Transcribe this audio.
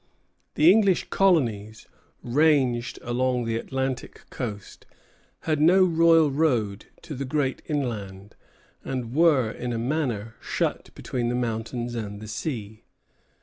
The English colonies, ranged along the Atlantic coast, had no royal road to the great inland, and were, in a manner, shut between the mountains and the sea.